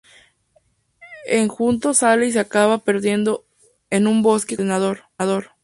Enjuto sale y se acaba perdiendo en un bosque con el ordenador.